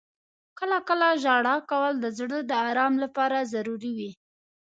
• کله کله ژړا کول د زړه د آرام لپاره ضروري وي.